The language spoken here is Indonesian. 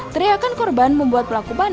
teriakan korban membuat pelaku berpura pura